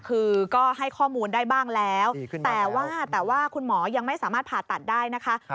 คือก็ให้ข้อมูลได้บ้างแล้วแต่ว่าแต่ว่าคุณหมอยังไม่สามารถผ่าตัดได้นะคะ